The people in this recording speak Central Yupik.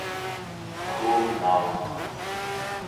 perumauq